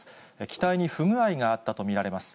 機体に不具合があったと見られます。